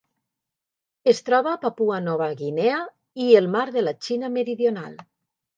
Es troba a Papua Nova Guinea i el mar de la Xina Meridional.